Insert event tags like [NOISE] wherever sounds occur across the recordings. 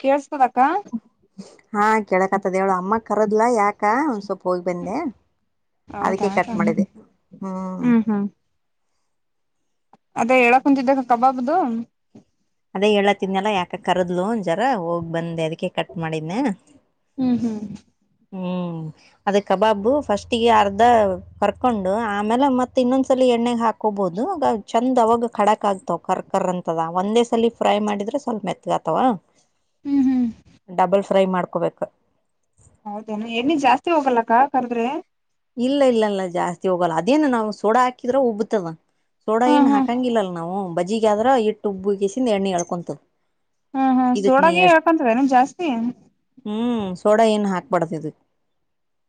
K ಹಾ ಕೇಳಕ್ತ್ತದೇವ್ಳ ಅಮ್ಮ ಕರದ್ಲಾ ಯಾಕ ಒಂದ ಸ್ವಪ ಹೋಗಿ ಬಂದೆ ಹೌದಾ ಅದಕ್ಕೆ ಅಕ್ಕ ಕಟ್ ಮಾಡಿದೆೆ ಹ್ಮ್ ಅದೇ ಹೇಳ ಕುಂತಿದ್ದ ಕಬಾಬ್ದು ಅದೇ ಹೇಳತನ್ನಲ್ಲ ಯಾಕ ಕರದ್ಲು ಜರ ಹೋಗ್ ಬಂದೆ ಅದಕ ಕಟ್ ಮಾಡಿದ್ನ ಹ್ಮ್ ಹ್ಮ್ ಹ್ಮ್ ಅದ ಕಬಾಬು ಫಸ್ಟ್ ಈಗ ಅರ್ಧ ಕರ್ಕೊಂಡು ಆಮೇಲೆ ಮತ್ತತ್ ಇನ್ನೊಂದ್ಸಲ ಎಣ್ಣಗ್ ಹಾಕ ಬಹುದು ಆ ಚಂದ್ ಅವಾಗ ಖಡಕ್ ಆಗ್ತವ ಕರ್ಕರ್ ಅಂತದ ಒಂದೇ [UNINTELLIGIBLE] ಮಾಡ್ರ ಸ್ ಹ್ಮ್ ಮ ಫ್ರೈ ಮಾಡ್ಕೋಬೇಕು ಹೌದೇ ಎ್ಣ ಜಾಸ್ತಿ ಹೋಗಲ್ಲಕ್ಕ ಕರ್ದ್ರೆ ಇಲ್ಲ ಇಲ್ಲ ಇಲ್ಲ ಜಾಸ್ತಿ ಹೋಗಲ್ಲ ಅದೇನು ನಾವು ಸೋಡ ಹಾಕಿದ್ರ ಉಬ್ಬತದ ಸೋಡಾ ಹ್ಮ್ ಏನ್ ಹಾಕಂಗಿಲ್ಲಲ್ ನಾವು ಬಜಗ ಆದ್ರ ಇಟ್ಟು ಉಬ್ಬ ಗಸಿಂದ ಎಣ್ಣೆ ಅಳ್ಕೊಂತ ಹ್ಮ್ ಹ್ಮ್ ಸೋಡಾಗೆ ಹೇಳ್ಕೊಂತರ ನಿಮ ಜಾಸ್ತಿ ಹ್ಮ್ ಸೋಡಾ ಏನು ಹಾಕಕ್ಬಾರತಿದ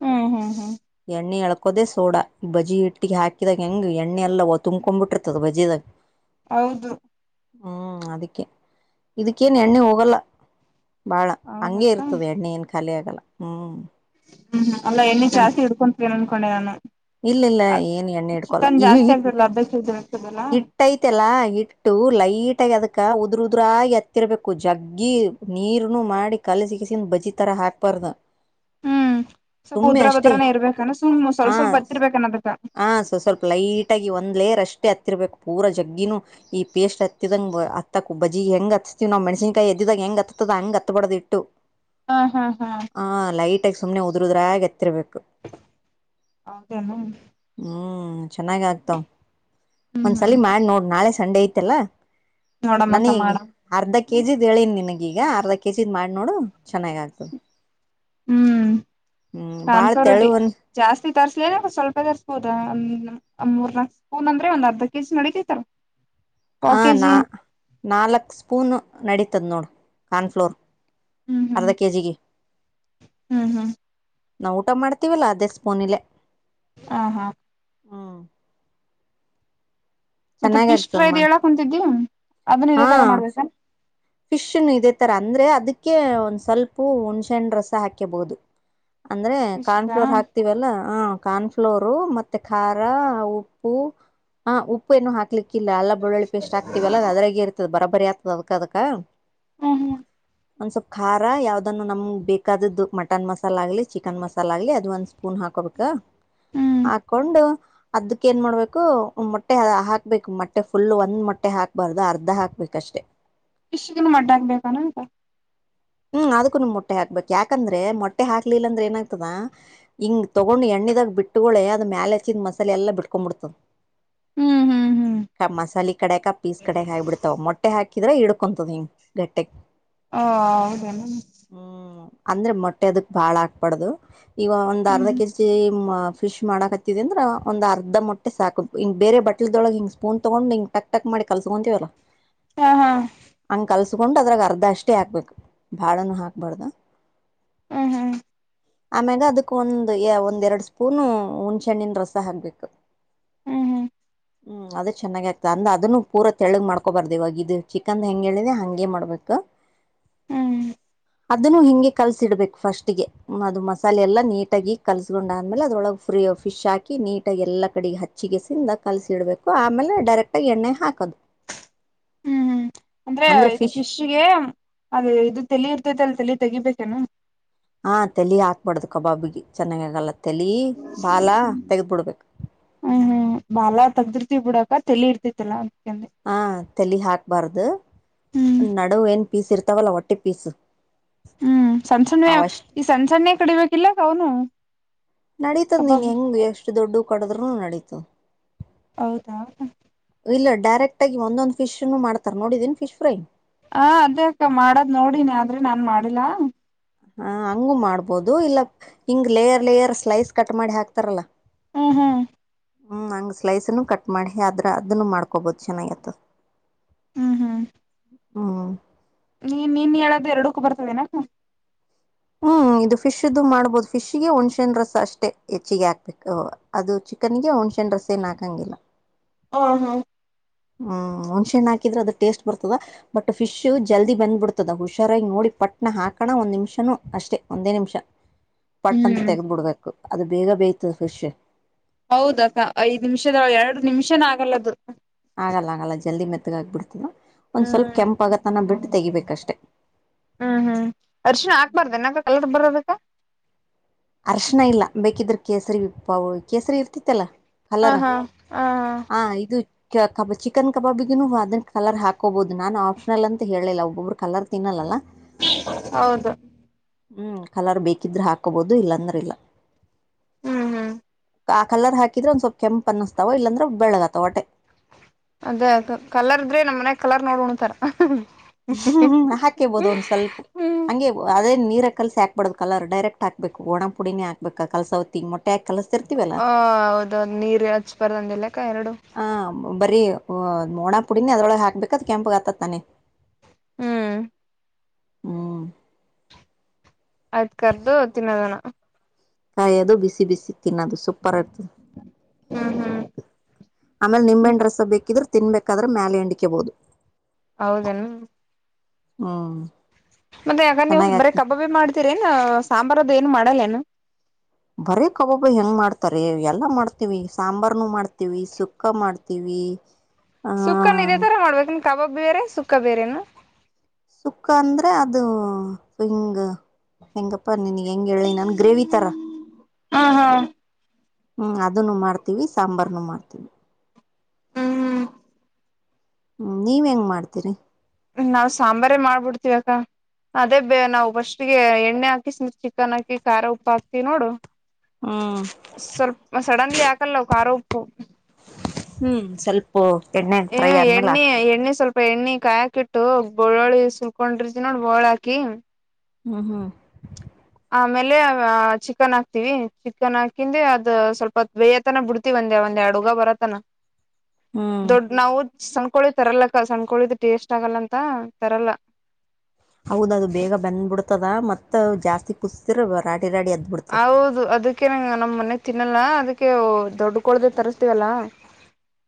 ಹ್ಮ್ ಹ್ಮ್ ಹ್ಮ್ ಎಣ್ಣೆ ಎಳಳ್ಕೋದೇ ಸೋಡಾ ಬಜಿ ಹಿಟ್ಟಿಗೆ ಹಾಕಿದಾಗ ಹೆಂಗ ಎಣ್ಣೆ ಎಲ್ಲ ತುಂಬ್ಕೊ ಬಿಟ್ಟಿರ್ತದ ಬಜಿದಾಗ ಹೌದು ಹ್ಮ್ ಅದಕ್ಕೆೇ ಇದಕ್ಕೇನ್ ಎಣ್ಣೆ ಹೋಗಲ್ಲ ಭಾಳ ಹಂಗೆ ಹೌದಕ್ಕ ಇರ್ತದೆ ಎಣ್ಣೆ ಏನು ಖಾಲಿ ಆಗಲ್ಲ ಹ್ಞೂ ಹ್ಮ್ ಹ್ಮ್ ಅಲ್ಲ ಎಣ್ಣೆ ಜಾಸ್ತಿ ಇಡ್ಕೊಂತೀ ಅನ್ಕೊಂಡೆ ನಾನು ಇಲ್ಲ ಇಲ್ಲ ಏನ್ ಎಣ್ಣೆ ಇಡ್ಕೊಲ್ಲ ಚಿಕನ್ ಈ ಜಾಸ್ತಿ ಹಿ ಆಗ್ತದಲ್ಲ ಅರ್ಧ ಕೆಜಿ ಆಗ್ತದಲ್ಲ ಹಿಟ್ಟಐತೆಲ್ಲಾ ಹಿಟ್ಟು ಲೈ ಈಟಾಗಿ ಅದಕ್ಕ ಉದ್ರ ಉದ್ರಾಗಿ ಎತ್ತಿರಬೇಕು ಜಗ್ಗಿ ನೀರ್ನು ಮಾಡಿ ಕಲಸ ಕಸ ಬಜಿ ಥರ ಹಾಕ್ಬಾರ್ದು ಹ್ಮ್ ಸ್ವಲ್ಪ ಉದ್ರಾ ಭದ್ರಾನೇ ಇರ್ಬೇಕಾನ ಸುಮ್ ಸ್ವಲ್ಪ ಸ್ವಲ್ಪ ಹ ಬತ್ತಿರ್ಬೇಕನ್ನದಕ್ಕ ಈ ಒಂದ್ ಲೇರ್ ಅಷ್ಟೇ ಹತ್ತಿರ್ಬೇಕು ಪೂರ ಜಗ್ಗಿನು ಈ ಪೇಸ್ಟ್ ಹತ್ತಿದಂಗ ಹತ್ತಕ್ ಬಜಿಗೆ ಹೆಂಗ್ ಹತ್ತತ ನಾವು ಮೆಣಸನಕೆಯಿ ಎದ್ದಿದಾಗ ಹೆಂಗ ಹತ್ತದ ಹಂಗ ಹತ್ತತ್ಬಡ್ದ ಇಟ್ಟು ಹಾ ಹಾ ಹಾ ಸುಮ್ನೆ ಉದುಉದ್ರದ್ರಾಗ ಎತ್ತಿರಬೇಕು ಹೌದೇನು ಹ್ಮ್ ಚೆನ್ನಾಗ ಆಗ್ತವ್ ಹ್ಮ್ ಒಂದ್ಸಲ ಮಾಡಿ ನೋಡ್ ನಾಳೆ ಸಂಡೆ ಐತೆಲ್ಲ ನೋಡ್ ನನೀಗ ಅರ್ಧ ಕೆಜಿದ್ ಹೇಳನಿ ನಿನಗೀಗ ಅರ್ಧ ಕೆಜಿದ್ ಮಾಡಿ ನೋಡು ಚೆನ್ನಾಗ ಆಗ್ತದೆ [INAUDIBLE] ಭಾಳ ಕಾನ್ಫ್ಲವ ತೆಳು ರೊಟ್ಟಿ ಒಂದು ಜಾಸ್ತಿ ತರ್ಸ್ಲೇನೆ ಸ್ವಲ್ಪ ತರ್ಬೋದ ಅ ಮೂರ್ ನಾಕ್ ಸ್ಪೂನ್ ಅಂದ್ರೆ ಒಂದ್ ಅರ್ಧ ಕೆಜಿ ನೆಡಿತೈತಲ್ಲ ಹ ನಾ ನಾಲ್ಕ್ ಸ್ಪೂನ್ ನೆಡೀತದ ನೋಡು ಕಾರ್ನ್ಫ್ಲೋರ್ ಹ್ಮ್ ಹ್ಮ್ ಅರ್ಧ ಕೆ ಜಿಗೆ ಹ್ಮ್ ಹ್ಮ್ ನಾವು ಊಟ ಮಾಡ್ತೀವಲ್ಲ ಅದೇ ಸ್ಪೋನಲೆ ಹ ಹಾ ಮತ್ತೆ ಚೆನ್ನಾಗಿ ಫಿಶ್ ಫ್ರೈ ಆಗ್ತದೆ ದು ಮಾ ಹೇಳಕ್ ಒಂದುಸತಿ ಅದನ್ನ ಇದೇ ತರ ಮಾಡ್ಬೇಕ ಫಿಶ್ ನು ಇದೇ ತರ ಅಂದ್ರೆ ಅದಕ್ಕೆ ಒಂದ್ ಸ್ವಲ್ಪ ಹುಣ್ಸೆ ರಸ ಹಾಕೇಬಹುದು ಅಂದ್ರೆ ಫಿಶ್ಗ ಕಾರ್ನ್ಫ್ಲೋರ್ ಹಾಕ್ತಿವಲ್ಲಾ ಹ ಕಾರ್ನ್ಫ್ಲೋರ್ ಮತ್ತೆ ಖಾರ ಉಪ್ಪು ಹ ಉಪ್ಪು ಏನು ಹಾಕಿ ಆಕ್ಲಿಕ್ಕಿಲ್ಲ ಎಲ್ಲ ಬೆಳ್ಳಿ ಪೇಸ್ಟ್ ಆಗ್ತತಿವಲ್ಲ ಅದ್ರಾಗೆ ಇರ್ತದ ಬರಾಬರಿ ಆತದ ಅದಕ್ಕ ಅದಕ ಹ್ಮ ಹ್ಮ ಒಂದ್ ಸ್ವಲ್ಪ್ ಖಾರ ಯಾವ್ದನ್ನು ನಮ್ಗ್ ಬೇಕಾದದ್ದು ಮಟನ್ ಮಸಾಲ ಆಗ್ಲಿ ಚಿಕನ್ ಮಸಾಲ ಆಗ್ಲಿ ಅದ ಒಂದ್ ಸ್ಪೂನ್ ಹಾಕ ಹಾಕೋಬೇಕು ಹ್ಮ್ ಹಾಕೊಂಡು ಅದಕ್ ಏನ್ ಮಾಡ್ಬೇಕು ಮೊಟ್ಟೆ ಹಾಕ್ಬೇಕು ಮೊಟ್ಟೆ ಫುಲ್ ಒಂದ್ ಮೊಟ್ಟೆ ಹಾಕ್ಬಾರ್ದು ಅರ್ಧ ಹಾಕ್ಬೇಕಷ್ಟೆ ಫಿಶ್ ಗುನು ಮೊಟ್ಟೆಬೇಕೇನ ಅಕ್ಕಾ ಹ್ಮ್ ಅದಕ್ಕೂಮ್ ಮೊಟ್ಟೆ ಹಾಕ್ಬೇಕಕ್ ಯಾಕಂದ್ರೆ ಮೊಟ್ಟೆ ಹಾಕ್ಲಿಲ್ಲ ಅಂದ್ರೆ ಏನಾಗ್ತದ ಹಿಂಗ ತಗೊಂಡ್ ಎಣ ಎಣ್ಣೆದಾಗ ಬಿಟ್ಟುಕುಡ್ಲೆ ಅದು ಮ್ಯಾಲ ಹಚ್ಚಿದ ಮಸಾಲೆ ಎಲ್ಲ ಬಿಟ್ಕೊಂಡ್ಬಿಡ್ತ ಹ್ಮ್ ಹ್ಮ್ ಹ್ಮ್ ಮಸಾಲೆ ಕಡೆಕ ಪೀಸ್ ಕಡೆ ಹಾಗ್ಬಿಡ್ತಾವ ಮೊಟ್ಟೆ ಹಾಕಿ ಹಕಿದ್ರೆ ಹಿಡ್ಕೊಂತದ ಹಿಂಗ್ ಗಟ್ಟೆಗ್ ಹಾ ಹೌದೇನು ಅಂದ್ರೆ ಮೊಟ್ಟೆ ಅದಕ್ ಬಾಳ ಹಾಕಬಾರದು ಈಗ ಒಂದ್ ಹ್ಮ್ ಅರ್ಧ ಹ್ಮ್ ಕೆಜಿ ಫಿಶ್ ಮಾಡಕತ್ತಿದ ಅಂದ್ರ ಒಂದ ಅರ್ಧ ಮೊಟ್ಟೆ ಸಾಕು ಹಿಂಗ ಬೇರೆ ಬಟ್ಲ್ದೊಳಗೆ ಹಿಂಗ್ ಸ್ಪೂನ್ ತಗೊಂಡು ಹಿಂಗ್ ಟಕ್ಟಕ್ ಮಾಡಿ ಮಾಡಿ ಕಲ್ಸ್ಕೊಂತೀವಲ್ಲ ಹಾ ಹಾ ಹಂಗ ಕಲ್ಸ್ಕೊಂಡು ಅದ್ರಾಗ ಅರ್ಧ ಅಷ್ಟೇ ಹಾಕ್ಬೇಕು ಬಾಳನು ಹಾಕ್ಬಾರ್ದ ಹ್ಮ್ ಹ್ಮ್ ಆಮ್ಯಾಗ ಅದಕ್ ಒಂದು್ ಒಂದ ಎರಡು ಸ್ಪೂನು ಹುಣ್ಸೆಣ್ಣನ್ ರಸ ಹಾಕ್ಬೇಕು ಹ್ಮ್ ಹ್ಮ್ ಹ್ಮ್ ಹ್ಮ್ ಅದದು ಚೆನ್ನಾಗ ಆಗ್ತ ಅಂದ ಅದನ್ನುೂ ಪೂರ ತೆಳಗ್ ಮಾಡ್ಕೋಬಾರ್ದು ಇವಾಗ ಇದು ಚಿಕನ್ದ ಹೆಂಗೆ ಹೇಳಿಲಿ ಹಂಗಗೆ ಮಾಡ್ಬೇಕು ಹ ಹ್ಮ್ [INAUDIBLE] ಅದನ್ನು ಹಿಂಗೆ ಕಲ್ಸಿ ಇಡ್ಬೇಕು ಫಸ್ಟ್ ಗೆ ಅದು ಮಸಾಲೆ ಎಲ್ಲಾ ನೀಟಾಗಿ ಕಲ್ಸ್ಕೊಂಡ್ ಆದ್ಮೇಲೆ ಅದೊಳಗೆ ಫ್ರೀಯ ಫಿಶ್ ಹಾಕಿ ನೀಟಾಗಿ ಎಲ್ಲ ಕಡೆಗೆ ಹಚ್ಚಿಗೆಸಿಂದ ಕಲಸಿಡಬೇಕು ಆಮೇಲೆ ಡೈರೆಕ್ಟಾಗಿ ಎಣ್ಣೆ ಹಾಕೋದು ಹ್ಮ್ ಅಂದ್ರೆ ಇದು ಫಿಶ್ಗೆ ಅದು ಅದು ತಲಿ ಇರ್ತೈದ ಅಲ್ ತಲಿ ತೆಗಿಬೇಕನು ಹ ತಲಿ ಹಾಕ್ಬಾರಡ್ದು ಕಬಾಬಿಗೆ ಚೆನ್ನಾಗ ಆಗಲ್ಲ ತಲಿ ಬಾಲ ತೆಗೆದಬಿಡ್ಬೇಕು ಬಿಡಕ ತಲ್ಲಿ ಇರ್ತಿತಿಲ ಹ ತಲಿ ಹಾಕ್ಬಾರ್ದು ಹ್ಮ್ ನಡು ಏನ್ ಪೀಸ್ ಇರ್ತ ಇರ್ತಾವಲ್ಲ ಹೊಟ್ಟಿ ಪೀಸ್ ಹ್ಮ್ ಸಣ್ಣ ಸಣ್ಣ ಅವಷ್ಟ ಈ ಸಣ್ಣ ಸಣ್ಣೇ ಕಡಿಬೇಕಿಲ್ಲಕ ಅವನು. ನಡೀತದ್ ನೀನ್ ಕಬಾಬ್ ಹೆಂಗ ಎಷ್ಟು ದೊಡ್ಡ ಕೊಡದ್ೂನು ನಡಿತದೆ. ಹೌದಾ. ಇಲ್ಲ ಡೈರೆಕ್ಟ್ ಆಗ ಒಂದೊಂದು ಫಿಶ್ನು ಮಾಡ್ತಾರೆ ನೋಡಿದೀಿ ಫಶ್ ಫ್ರೈ. ಹಾ ಅದೇ ಅಕ್ಕ ಮಾಡದ್ ನೋಡಿನಿ ಆದ್ರೆ ನಾನ್ ಮಾಡಿಲ್ಲಾ. ಹಾ ಹಂಗು ಮಾಡ್ಬೋದು ಇಲ್ಲ ಹಿಂಗ್ ಲೇಯರ್ ಲೇಯರ್ ಸ್ಲೈಸ್ ಕಟ್ ಮಾಡಿ ಹಾಕ್ತಾರಲ್ಲ. ಹ್ಮ್ ಹ್ಮ್. ಹ್ಞೂ ಹಂಗೆ ಸ್ಲೈಸನ್ನುೂ ಕಟ್ ಮಾಡಿ ಆದ್ರೆ ಅದನ್ನು ಮಾಡ್ಕೊಬೋದು ಚೆನ್ನಾಗಿತ್ತು. ಹ್ಮ್ ಹ್ಮ್. ಹ್ಮ. ನೀ ನೀನ್ ಹೇಳದು ಎರಡಕ್ಕೂ ಬರ್ತೋದೇನಕ್ಕ. ಹ್ಮ್ ಇದು ಫಿಶ್ ಇ ಮಾಡ್ಬಹುದು ಫಿಶ್ಗೆ ಒಣ್ೆನ್ ರಸ ಅಷ್ಟೇ ಹೆಚ್ಚಿಗೆ ಹಾಕ್ಬೇಕು ಅದು ಚಿಕನ್ಿಗೆ ಒ್. ಶೆಂಡ್ರಸೆ ನಕಂಗಿಲ್ಲ. ಹ ಹಾ. ಹ್ಮ್ ಹುಣಸೆ ಹಣ್ಣು ಹಾಕಿದ್ರೆದ ಟೇಸ್ಟ್. ಬರ್ತದ ಬಟ್ ಫಿಶ್ ಜಲ್ದಿ ಬಂದ್ಬಿಡ್ತದ ಹುಷಾರಾಗಿ ನೋಡಿ ಪಟ್ನ ಹಾಕಣ ಒಂದ್ ನಿಮಿಷನುೂ ಅಷ್ಟೇ. ಒಂದೇ ನಿಮಿಷ ಪಟ್ ಅಂತ ಹ್ಮ್ ತೆೆಗೆ ಬಿಡ್ಬೇಕು ಅದು ಬೇಗ ಬೇಯ್ತದೆ ಫಿಶ್. ಹೌದಕ್ಕ ಐದ್ ನಿಮಿಷದ ಎರಡು ನಿಮಿಷನ ಆಗಲ್ಲದು. ಆಗಲ್ಲ ಆಗಲ್ಲ ಜಲ್ದಿ ಮೆತ್ತಗಾಬಿಡ್ತದೆ. ಒಂದ್ ಹ್ಮ್ ಸ್ವಲ್ಪ ಕೆಂಪಗತನ ಬಿಟ್ಟು ತೆಗಿಬೇಕಷ್ಟೆ. ಹ್ಮ್ ಹ್ಮ್ ಅರ್ಶಿಣ ಹಾಕ್ಬಾರ್ದ ನನಾಗ ಕಲರ್ ಬರೋದ. ಹರೀಶಣ ಇಲ್ಲ ಬೇಕಿದ್ರ ಕೇಸರಿ ವಿಪ್ಪ ಕೇಸರಿ ಇರ್ತಿತ್ತಲ್ಲಾ. ಹ ಕಲರ್ ಹಾ ಹಾ ಹ ಇದು. ಕಬಾ ಚಿಕನ್ ಕಬಾಬಿಗುನು ಅದನ್ನ ಕಲರ್ ಹಾಕೋಬಹುದು ನಾನನ್ ಆಪ್ಷನಲ್ ಅಂತ ಹೇಳಿಲ್ಲ ಒಬ್ಬೊಬ್ರು. ಕಲರ್ ತಿನ್ನಲ್ಲಲ್ಲ ಹೌದು ಹ್ಮ್ ಕಲರ್ ಬೇಕಿದ್ರೆ ಹಾಕೋಬಹುದು. ಅದು ಇಲ್ಲಾಂದ್ರ ಇಲ್ಲ. ಹ್ಮ್ ಹ್ಮ್. ಆ ಕಲರ್ ಹಾಕಿದ್ರೆ ಒಂದ್ವಲ್ ಕೆಪ ಅನಸ್ತಾವ ಇಲ್ಲಂದ್ರ ಬೆಳಗತಾವ ಹೊಟೆ. ಅದೇ ಅ ಕಲರ್ ದ್ರೆ ನಮ್ಮ್ ಮನೆಗ ಕಲರ್ ನೋಡ್ ಉಣತರ. ಹ್ಮ್ ಹಾಕೇಬೋದು ಒಂದ್ ಸ್ವಲ್ಪ ಹಂಗೇ ಅದೇ. ನೀರ ಕಲ್ಸ ಹಾಕ್ಬಡ್ದ ಕಲರ್ ಡರೆಕ್ಟ್ ಹಾಕ್ಬೇಕು ಒಣ ಪುಡಿನೇ ಹಾಕ್ಬೇಕ ಕಸವಿಂಗಟ್ಟ. ಕಲಸ್ತಿರ್ತವಲ್ಲ ಆ ಹೌದೌದು ನೀರ್ ಹಚ್ಬಾರ್ದಂದಿಲ್ಲಕ್ಕ ಎರಡು ಹ ಬರಿ. ಹಓಹ್ಣ ಪುಡಿನಿ ಅದ್ರೊಳಗೆ ಹಾಕ್ಬೇಕಕ್ ಅ್ ಕೆಂಪಗ್ ಆತ್ ತಾನೆ. ಹ್ಮ್ ಹ್ಮ. ಆಯ್ತ್ ಕರ್ದು ತಿನ್ನೋದನ. ಕಾಯದು ಬಿಸಿ ಬಿಸಿ. ತಿನ್ನೋದು ಸೂಪರ್ ಇರ್ತದೆ ಹ್ಮ್ ಹ್ಮ್ ಆಮೇಲೆ ನಿಂಬೆಣ ರಸ ಬೇಕಿದ್ರೆ. ತಿನ್ಬೇಕಾದ್ರೆ ಮೇಲೆ ಎಂಡಿಕೆಬಹದು. ಹೌದಣ. ಹ್ಮ ಮತ್ತೆ ಯಗ ನೀವು ಬರ ಕಬಾಬಿ ಮಾಡ್ತೀರಿನ ಸಾಂಬಾರದ ಏನು ಮಾಡಲ್ಲೇನು. ಬರೇ ಕಬಬ ಹೆಂಗ್ ಮಾಡ್ತಾರೆ ಎಲ್ಲಾ ಮಾಡ್ತೀವಿ ಸಾಂಬಾರ್ನು ಮಾಡ್ತೀವಿ ಸುಕ್ಕ ಮಾಡ್ತಿವಿ. [INAUDIBLE] ಸುಕ್ಕನ್ ಇದೇ ತರ ಮಾಡ್ಬೇಕೇ ಕಬಾಬ್ಬಿ ಬೇರೆ ಸುಕ್ಕ ಬೇರೆೇನ. ಸುಕ್ಕ ಅಂದ್ರೆ ಅದು ಹಿಂಗ ಹೆಂಗಪ್ಪ ನಿನ. ಹೆಂಗ ಹೇಳಿ ನನ್ ಗ್ರೇವಿ ತರ. ಹಾ ಹಾ. ಹ್ಮ್ ಅದನ್ನು ಮಾಡ್ತೀವಿ ಸಾಂಬಾರ್ನು ಮಾಡ್ತೀವಿ. ಹ್ಮ್ ಹ್ಮ್ ನೀವ್ ಹೆಂಗ್ ಮಾಡ್ತೀರಿ ನಾವ್ ಸಾಂಬಾರೇ ಮಾಡ್ಬಿಡ್ತಿೀವಕ್ಕ ಅದೇ ಬ ನಾವು ಫಸ್ಟ್ಿಗೆ ಎಣ್ಣೆ ಹಾಕಿತ್ ಚಿಕನ್ ಹಾಕಿ ಖಾರ ಉಪ್ಪು ಹಾಕ್ತಿೀವಿ ನೋಡು ಹ್ಮ್ ಸ್ವಲ್ಪ ಸಡನ್ಲಿ ಹಾಕಲ್ಲ ಅವಖಾರ ಉಪ್ಪು ಹ್ಮ್ ಸ್ವಲ್ಪ ಎಣ್ಣೆ ಫ್ರೈ ಆದ್ಮೇಲೆ ಹಾಕ್ ಎಣ್ಣಿ ಕಾಯಾಕಿ ಇಟ್ಟು ಬಳ್ಳುಳಿ ಸುಲ್ಕೊಂಡಿರ್ತಿ ನೋಡ್ ಬೋಳ ಹಾಕಿ ಹ್ಮ್ ಹ್ಮ್ ಆಮೇಲೆ ಚಿಕನ್ ಹಾಕ್ತಿೀವಿ ಚಿಕನ್ ಹಾಕಿಂದೆ ಅದು ಸ್ವಲ್ಪ ಬೇಯತನ ಬಿಡ್ತಿೀ ಒಂದೆ ಅವ ಡುಗ ಬರಾನ ಹ್ಮ್ ದೊಡ್ಡ ನಾವು ಕಕಳಿ ತರಲ್ಲಕ್ಕ ಸಣ್ಣಕೋಳಿದ ಟೇಸ್ಟ್ ಆಗಲ್ಲ ಅಂತ ತರಲ್ಲ ಹೌದ ಅದು ಬೇಗ ಬಂದ್ಬಿಡ್ತದ ಮತ್ತ ಜಾಸ್ತಿ ಕುಸತಿರರಾ ಹೌದು ಅದಕ್ಕೆೇ ನಂಗ ನಮ್ ಮನೆ ತಿನ್ನಲ್ಲ ಅದಕ್ಕೆ ಅ ದೊಡ್ಡ ಕೊಡ್ದ ತರಿಸಸ್ತೀವಲ್ಲ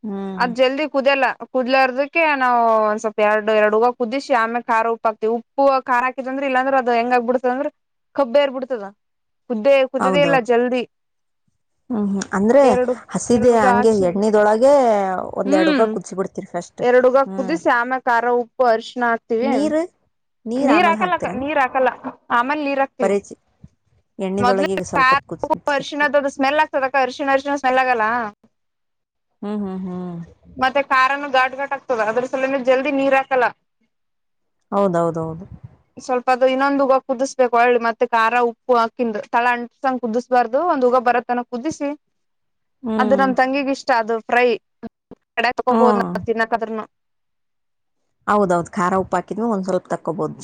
ಹ್ಮ್ ಅದ್ ಜಲ್ದಿ ಕುದ್ಯಲ್ಲ ಕುದ್ಲಾರದಕ್ಕೆ ನಾವು ಒಂದ್ ಸ್ವಲ್ಪ ಎರಡು ಎರಡುಗ ಕುದಿಸಿ ಆಮೇ ಖಾರ ಉಪ್ಪುಾಕ್ತಿವಿ ಉಪ್ಪು ಖಾರ್ ಹಾಕಿದಂದ್ರೆ ಇಲ್ಲ ಅಂದ್ರೆ ಅದು ಹೆಂಗಾಗ ಬಿಡ್ತದ ಅಂದ್ರ ಕಬ್ಬರ್ ಬಿಡ್ತದ ಕುದ್ದೇ ಕುದ್ದ್ದ ಇಲ್ಲ ಜಲ್ದಿ ಹ್ಮ್್ಮ್ ಅಂದ್ರೆ ಎರಡು ಹಸಿದ ಎರಡುಗ ಹಂಗೆ ಹಾಕ್ಸಿ ಎಣ್ಣಿದೊಳಗೆ ಒಂದ್ ಎರಡುಗ ಹ್ಮ್ ಕುದಿ ಬಿಡ್ತರಿ ಎರಡುಗ ಹಾ ಕುದಿ ಶ್ಯಾಮಾ ಖಾರ ಉಪ್ಪು ಅರ್ಶಣ ಹಾಕ್ತಿೀವಿ ನೀರ್ ನೀರ್ ಆಮೇಲೆ ಹಾಕಲ್ಲಕ್ಕ ಹಾಕ್ತಿರೇನ್ ನೀರ್ ಹಾಕಲ್ಲ ಆಮೇಲೆ ನೀರ್ ಹಾಕ್ತಿೀವಿ ಬರೀ ಚಿ ಎಣ್ಣಿದೊಳಗೆ ಈಗ ಸ ಸ್ವಲ್ಪತ್ ಕುದಸ್ಬೇಕು ಅರ್ಶಿಣದ್ದು ಸ್ಮೆಲ್ ಆಗ್ತದ ಅಕ್ಕ ಅರ್ಶಿ ಅರ್ಶಿ ಸ್ಮೆಲ್ ಆಗಲ್ಲ ಹ್ಮ್ ಹ್ಮ್ ಹ್ಮ್ ಾರನು ಾಟ್ ಾಟ್ ಆಗ್ತದ ಅದ್ರ ಸಲ ಜಲ್ದಿ ನೀರ್ಾಕಲ್ಲ ಹೌದೌದೌದು ದು ಇನ್ನೊಂದುಗ ಕುದಿಸ್ಬೇಕು ಒಳ್ಳೆ ಮತ್ತೆ ಖಾರ ಉಪ್ಪು ಕ ತಳ ಅಂಟ್ಸಂಗ ಕುದಿಸಬಾರ್ದು ಒಂದ್ ಉಗ ಬರ ತನ ಕುದಿಸಿ ಅದು ಹ್ಮ್ ನಮ ತಂಗಿಗ ಇಷ್ಟ ಅದು ಫ್ರೈ ತೋಬೋದು ಹ್ಮ್ ತಿನ್ನಕದ್ರ್ನು ಹೌದೌದು ಖಾರ ಉಪ್ಪ ಹಾಕಿದ್ೆ ಒಂದ್ ಸ್ವಲ್ಪ ತಕ್ಕೊಬಹೋದು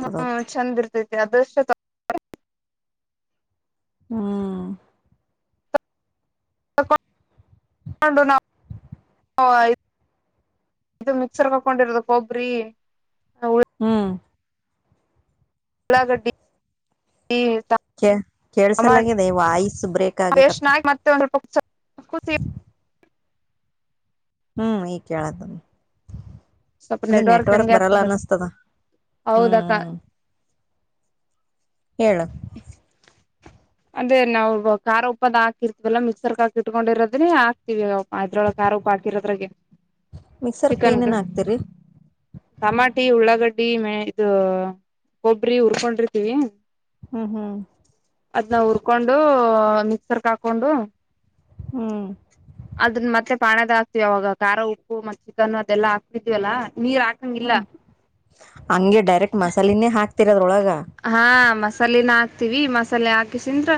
ಹಾ ಚಂದ ಇರ್ತೈತಿ ಅದಷ್ಟ ಹ್ಮ ು ನ ಇದು ಮಿಕ್ಸರ್ ಹಕೊಂಡಿರೋದು ಕೊಬರಿ ಹ್ಮ್ ಲ ಗಡಿ ಕೆ ಟಮ ಕೇಳ್ಸಲಾಗಿದೆ ವಾಯ್ಸ್ ಬ್ರೇಕ್ ಎಷ್ಟ ಆಗಕತ್ತ ಮತ್ತೆ ಕುಸ ಹ್ಮ್ ಈ ಕೇಳದ ಸ್ವಲ್ಪ ಅದ್ರ ನೆಟ್ವರ್ಕ್ ಹಂಗೆ ಬರಲ್ಲ ಆಗ್ತದ ಅನ್ನಸ್್ತದ ಹೌದಕ್ಕ ಹ್ಮ್ ಹೇಳಳು ಅಂದ್ರೆ ನಾವು ಖಾರ ಉಪ್ಪದ ಹಾಕಿರ್ತಿವಲ್ಲ ಮಿಕ್ಸರ್ ಕ ಹಾಕಿ ಇಟ್ಕೊಂಡಿರೋದ್ರೆ ಹಾಕ್ತಿವಿ ಅದ್ರೊಳ ಖ ಆರಪ ಹಾಕಿರದ್ರ ಮಿಕ್ಸರ್ಕ್ ಚಿಕನ್ ಏನೇನ್ ಹಾಕ್ತಿರಿ ಟಮಾಟಿ ಉಳ್ಳಾಗಡ್ ಡ್ಡಿ ಮ ಇದ ಗಬ್ರಿ ಉರ್ಕೊಂಡ್ರತಿೀವಿ ಹ್ಮ್ ಹ್ಮ್ ಅದ್ನ್ನ ಉುರ್ಕೊಂಡು ಮಿಕ್ಸರ್ ಕ ಹಾಕೊಂಡು ಹ್ಮ್ ಅದನ್ನ ಮತ್ತೆ ಪಾಣದಾಕ್ತಿೀವಿ ಅವಾಗ ಖಾರ ಉಪ್ಪು ಮತ್ ಚಿಕನ್ ಅದೆಲ್ಲ ಹಾಕ್ತಿದವಲ್ಲಾ ಹ್ಮ ಹಂಗೆ ಡೈರೆಕ್ಟ್ ಮಸಾಲೆಿನೇ ಹಾಕ್ತಿರದ್ರೊಳಗ ಹಾ ಮಸಾಲೆಿನ ಹಾ ಹವಿ ಮಸಾಲೆ ಹಾಕಿಸಿದ್ರ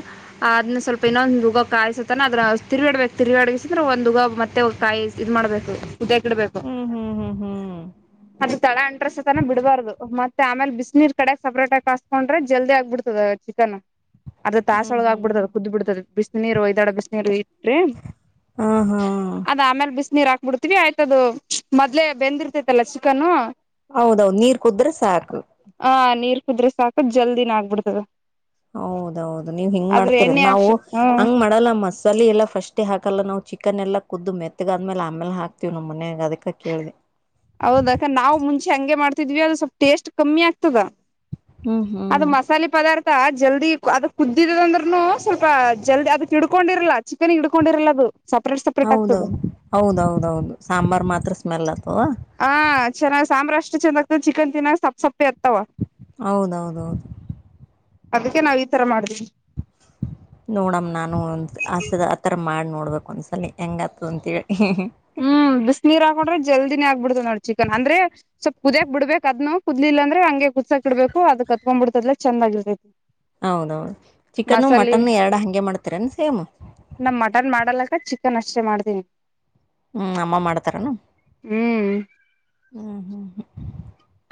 ಅದ್ನ್ನ ಸ್ವಲ್ಪ ಇನೊಂದು ಉಗ ಕಾಯಸತನ ಅದ ತಿರ್ಗಡ್ಬೇಕ ತಿರ್ಗಡ ಎಂದ್ರ ಒಂದ್ ಉಗಾ ಮತ್ತೆ ಒ ಕಾಯಿ ಇದ್ ಮಾಡ್ಬೇಕು ಇದ ಕಡ ಬೇಕು ಹ್ಮ್ ಹ್ಮ್ ಹ್ಮ್ ಹ್ಮ್ ಅ ಸ್ಥಳ ಅಂಟ್ರಸ್ತನ ಬಿಡಬಾರು ಮತ್ತೆ ಆಮೇಲೆ ಬಿಸಿನೀರ್ ಕಡೆ ಸಪ್ರೇಟ್ ಆ ಕಸ್ಕೊಂಡ್ರೆ ಜಲ್ದಿ ಆಗ್ಬಿಡ್ತದ ಚಿಕನ್ ಅದ ಹ್ಮ್ ತಾಸೊಳಗ ಹ್ಮ್ ಆಗ್ಬಿಡ್ತದ ಕುದ್ ಬಿಡ್ತದ ಬಿಸಿನೀರು ಒ್ದಾಡ ಬಿಸಿನೀರು ಇಟ್ರೆ ಹಾ ಹಾ ಬಿಡ್ತಿೀವಿ ಆಯ್ತದು ಮೊದ್ಲೆ ಬೆಂದಿರ್ತೈತಲ್ಲ ಚಿಕನ್ ಹೌದೌದ್ ನೀರ್ ಕುುದ್ರೆ ಸಾಕು ಆ ನೀರ್ ಕುದ್ರೆ ಸಾಕು ಜಲ್ದಿನ ಆಗ್ಬಿಡ್ತದ ಹೌದೌದು ನೀವ್ ಹಿಂಗ್ ಆದ್ರ ಮಾಡ್ತರ ಎಣ್ಣೆ ನಾವು ಹಾಕ್ಸ ಹ್ಮ್ ಹಂಗ್ ಮಾಡಲ್ಲ ಮಸಾಲ ಎಲ್ಲ ಫಸ್ಟ್ೇ ಹಾಕಲ್ಲ ನಾ್ ಚಿ ಚಿಕ್ಕನ್ ಎಲ್ಲ ಕ್ದು ಮೆತ್ತಗಾದ್ಮೇಲೆ ಆಮೇಲೆ ಹಾಕ್ತೀವಿ ನಮ್ಮ ಮನ್ಯಾಗ ಅದಕ್ಕೆ ಕೇಳಿದೆ ಹೌದಾಕ ನಾವು ಮುಂಚೆ ಹಂಗೆ ಮಾಡ್ತಿದ್ವಿ ಅದು ಸ್ವಲ್ಪ್ ಟೇಸ್ಟ್ ಕಮ್ಮಿ ಆಗ್ತದ ಹ್ಮ್ ಅದು ಹ್ಮ್ ಮಸಾಲೆ ಪದಾರ್ಥ ಮತ್ತ ಜಲ್ದಿ ಅದ ಕುದ್ದಿದದ ಅಂದ್ರರುನು ಸ್ವಲ್ಪ ಜಲ್ದಿ ಅದಕ್ ಇಡ್ಕೊಂಡಿರಲ್ಲ ಚಿಕನ್ ಇಿಡ್ಕೊಂಡಿರಲ್ಲ ಅದು ಸಪ್ರೇಟ್ ಸಪ್ರೇಟ್ ಆಗ್ತದ ಹೌದೌದು ಹೌದೌದೌದು ಸಾಂಬಾರ್ ಮಾತ್ರ ಸ್ಮೆಲ್ ಆತದೆ ಹಾ ಚೆನ್ನಾಗ ಸಾಂಬ್ರ ಅಷ್ಟ ಚಂದ ಆಗ್ತದೆ ಚಿಕನ್ ತಿಿನನ್ನಾಗ ಸಪ್ಪ ಸಪ್ಪು ಹೌದೌದೌದು ಅದಕ್ಕೆ ನಾವು ಈ ತರ ಮಾಡ್ದವಿ [INAUDIBLE] ನೋಡಮ್ಮ ನಾನು ಒ ಆಸದ ಆತರ ಮಾಡಿ ನೋಡ್ಬೇಕಕ್ ಒಂದ್ಸಲ ಹೆಂಗತು ಅಂತೇಳಿ ಹ್ಮ್ ಬಿಸ ನೀೀರ್ ಹಾಕೊಂಡ್ರೆ ಜಲ್ದಿನೇ ಆಗ್ಬಿಡ್ತದ ನೋಡ್ ಚಿಕನ್ ಅಂದ್ರೆ ಸ್ವಲ್ಪ್ ಕುದಿಯ್ಯಾಕ್ ಬಿಡ್ಬೇಕ ಅದ್ನು ಕುದ್ಿಲ್ಲಂದ್ರೆ ಹಂಗೆ ಕುುದಸಕ ಬಿಡ್ಬೇಕ ಅ ಕತ್ಕ್ ಬಿಡ್ತದಲ ಚಂದಾಗಿರ್ತತಿ ಹೌದೌದು ಚಿಕನ್ನು ಮಟನ್ನು ಎರಡು ಹಗೆ ಮಾಡ್ತೀರೇನು ಸೇಮು ಚಕ್ಕನ್ ಅಷ್ಟೇ ಮಾಡ್ತೀನಿ ಹ್ಮ್ ಅಮ್ಮ ಮಾಡ್ತಾರನು ಹ್ಮ್ ಹ್ಮ್ ಹ್ಮ್ ಹ್ಮ್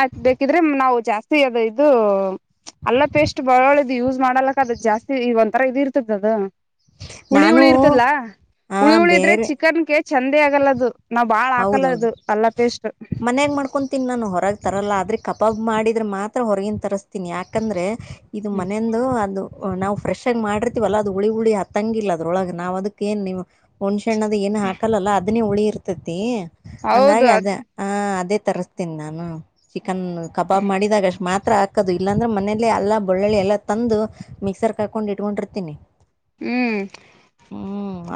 ಅ ಬೇಕಿದ್ರೆ ನಾವು ಜಾಸ್ತಿ ಅದು ಇದು ಅಲ್ಲ ಪೇಸ್ಟ್ ಬರಳದು ಯೂಸ್ ಮಾಡಲಕ್ಕ ಅದ ಜಾಸ್ತಿ ಈ ಒಂಥರ ಇದ ಇರ್ತದ ಅದು ಹುಳಿ ನಾನು ಹುಳಿ ಇರ್ತದಲ್ಲ ಆ ಹುಳಿ ಹುಳಿದ್ರೆ ಬೇರೆ ಚಿಕನ್ ಕ ಚಂದೆ ಆಗಲ್ಲದು ನಾವ್ ಬಾಳ್ ಹಾಕಲ್ಲ ಹೌದೌದು ಇದು ಅಲ್ಲ ಪಟೇಸ್ಟ್ ಮನ್ಯಾಗ ಮಾಡ್ಕೊತೀನಿ ನಾನು ಹೊರಗೆ ತರೋಲ್ಲ ಆದರೆೆ ಕಬಾಬ್ ಮಾಡಿದರೆೆ ಮಾತ್ರ ಹೊರಗಿನ ತರಿಸ್ತೀನಿ ಯಾಕಂದ್ರೆ ಇದು ಮನೆಯಂದು ಅದು ನಾವು ಫ್ರೆಶ ಆ ಮಾಡಿರ್ತಿವಲ್ಲ ಅದ ಹುಳಿುಳಿ ಹತ್ತಂಗಿಲ್ಲ ಅದ್ರೊಳ ನಾವ್ದಕ್ಕ ನ್ ನೀ್ ಒಣ್ಸೆಣ್ಣದ ಏನು ಹಾಕಲ್ಲಲ್ಲ ಅದನ್ನೇ ಉಳಿ ಇರ್ತತಿ ಹೌದು ಹಾಗಿ ಅದ ಅದ್ ಅದೇ ತರಿಸತೇನಿ ನಾನು ಚಿಕನ್ ಕಬಾಬ್ ಮಾಡಿದಾಗ ಮಾತ್ರ ಹಾಕದು ಇಲ್ಲಾಂದ್ರೆ ಮನೇಲ್ಲ ಎಲ್ಲಾ ಬಳ್ಳಳ್ಳಿ ಎಲ್ಲಾ ತಂದು ಮಿಕ್ಸರ್ ಕಾಕೊಂಡ್ ಇಟ್ಕೊಂಡಿರ್ತೀನಿ ಹ್ಮ್ ಹ್ಞೂ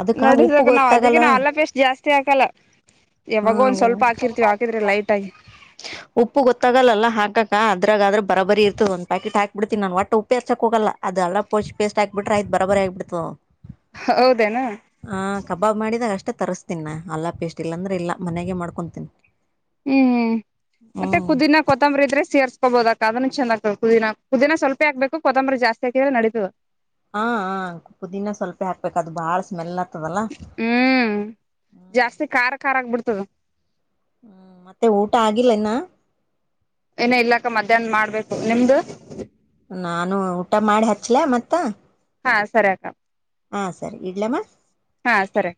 ಅದಕ್ಕೆ ಉಪ್ಪು ನಡಿತ್ತುದ ನಾವ್ ಗೊತ್ತಾಗಲ್ಲ ಅದಗನ ಅಲಪ ಎಷ್ಟ್ ಜಾಸ್ತಿ ಹಾಕಲ್ಲ ಯಾವಾಗೋ ಒಂದ್ ಹಾಂ ಸ್ವಲ್ಪ ಹಾಕಿರ್ತೀವ ಹಾಕಿದ್ರೆ ಲೈಟ್ ಆಗಿ ಉಪ್ಪು ಗೊತ್ತಾಗಲ್ಲಲ್ಲಾ ಹಾಕ ಅದ್ರಾಗ್ರ ಬರ ಬರಿ ಇರ್ತದ ಒಂದ್ ಪ್ಯಾಕೆಟ್ ಹಾಕ್ ಬಿಡ್ತಿನಿ ನನ್ ಒಟ್ಟ ಉಪ ಹಾರ್ಸಕ ಹೋಗಲ್ಲ ಅಲ ಪೋ ಪೇಸ್ಟ್ ಹಾಬ ಬಿ್ರ ಆಯತ ಬರ ಬರಿ ಆಗ್ಬಿತು ಹೌದೇನಾ ಹ ಕಬಾಬ್ ಮಾಡಿದಾಗ ಅಷ್ಟ ತರಿಸ್ತೀನ ಆಲ ಪೇಸ್ಟ್ ಇಲ್ಲಾಂದ್ರೆ ಇಲ್ಲ ಮನೆಯಗೆ ಮಾಡ್ಕೊತೀನಿ ಹ್ಮ್ ಹ್ಮ್ ಮತ್ತೆ ಕುದಿನ ಕೊತ್ತಂಬರಿ ಇದ್ರೆ ಸೇರ್ಸ್ಕೋಬಹದ ಅದಕ್ಕೆ ಚಂದ ಆಗ್ತದ ಪುದಿನ ಕ ಪುದಿನನಾ ಸ್ವಲ್ಪ ಆಗ್ಬೇಕು ಕೊೊಂಬರಿ ಜಾಸ್ತಿ ಆಾಿದ ನಡಿತತದೆ ಹಾ ಹ ಪುದೀಿನ ಸ್ವಲ್ಪೇ ಹಾಕ್ಬೇಕು ಅದು ಬಾಳ್ ಸ್ಮೆಲ್. ಆತದಲ್ಲ ಹ್ಮ್ ಹ್ಮ್ ಜಾಸ್ತಿ ಖಾರ ಖಾರ ಆಗ್ಬಿಡ್ತದ. ಹ್ಮ್ ಮತ್ತೆ ಊಟ ಆಗಿಲ್ಲ ಇನ. ಏನ ಇಲ್ಲಾಕ್ಕ ಮಧ್ಯಾಹ್ನ ಮಾಡ್ಬೇಕು ನಿಮ್ದು ನಾನು ಊಟ ಮಾಡಿ ಹಚ್ಲ ಮತ್ತ ಹಾ ಸರಿ ಅಕ್ಕ ಹಾ ಸರಿ ಇಡ್ಲಮ್ಮ. ಹಾ ಸರಿ